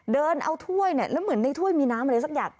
เดินเอาถ้วยเนี่ยแล้วเหมือนในถ้วยมีน้ำอะไรสักอย่าง